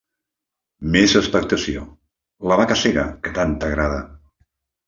Més expectació.– La vaca cega, que tant t'agrada.